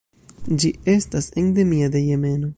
Ĝi estas endemia de Jemeno.